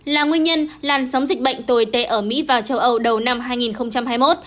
là nguyên nhân làn sóng dịch bệnh tồi tệ ở mỹ và châu âu đầu năm hai nghìn hai mươi một